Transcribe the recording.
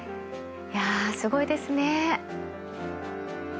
いやすごいですね。